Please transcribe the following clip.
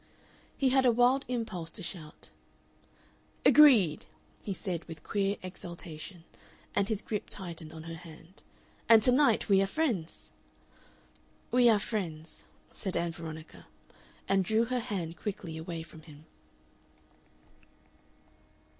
He had a wild impulse to shout. "Agreed," he said with queer exaltation, and his grip tightened on her hand. "And to night we are friends?" "We are friends," said Ann Veronica, and drew her hand quickly away from him.